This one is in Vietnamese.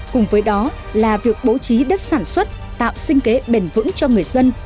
cùng với đó là việc bố trí đất sản xuất tạo sinh kế bền vững cho người dân